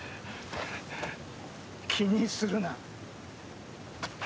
気にするな。